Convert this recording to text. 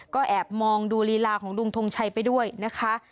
ก็แอบมองดูลีลาของลุงทงชัยไปด้วยนะคะ